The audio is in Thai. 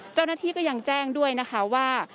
เจ้าหน้าที่ก็ยังแจ้งด้วยนะคะว่า